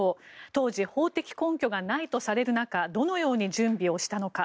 当時、法的根拠がないとされる中どのように準備をしたのか。